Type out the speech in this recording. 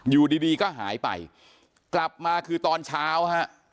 อยู่ดีดีก็หายไปกลับมาคือตอนเช้าฮะ